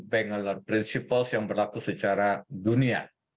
banker principles yang berlaku secara dunia